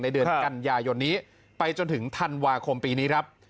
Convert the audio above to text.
เดือนกันยายนนี้ไปจนถึงธันวาคมปีนี้ครับ